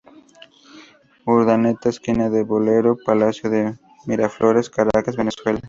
Urdaneta, Esquina de Bolero, Palacio de Miraflores, Caracas, Venezuela.